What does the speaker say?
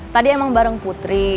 tadi emang bareng putri